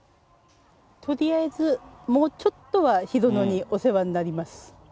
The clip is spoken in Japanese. とりあえず、もうちょっとは広野にお世話になります。